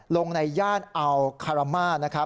ลงในย่านเอาคารามา